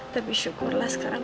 tapi syukurlah sekarang